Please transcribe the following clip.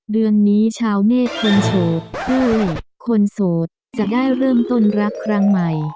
เดือนนี้ชาวเนธคนโสดคนโสดจะได้เริ่มต้นรักครั้งใหม่